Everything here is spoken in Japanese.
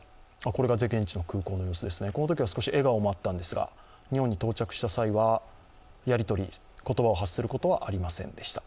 これが現地の空港の様子、このときは少し笑顔があったんですが日本ではやりとり、言葉を発することはありませんでした。